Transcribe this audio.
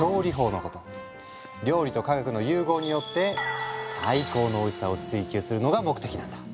料理と科学の融合によって最高のおいしさを追求するのが目的なんだ。